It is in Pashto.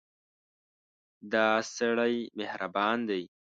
دا سړی مهربان دی.